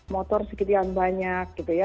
motor sekian banyak gitu ya